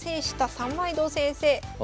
三枚堂先生。